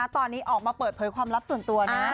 ตอนนี้ออกมาเปิดเผยความลับส่วนตัวนะ